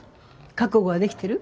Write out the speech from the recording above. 覚悟はできてる？